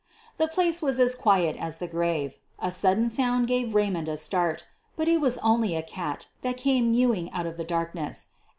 The place was as quiet as the grave. A sudden sound gave Raymond a start — but it was only a cat that came mewing out of the darkness.